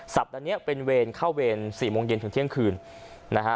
สัปดาห์นี้เป็นเวรเข้าเวรสี่โมงเย็นถึงเที่ยงคืนนะฮะ